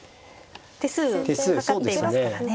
手数かかっていますからね。